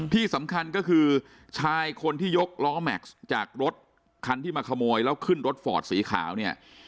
ที่สำคัญก็คือชายคนที่ยกล้อแม็กซ์จากรถคันที่มาขโมยแล้วขึ้นรถฟอร์ดสีขาวเนี่ย